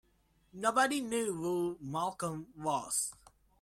Nobody knew who Malcolm was.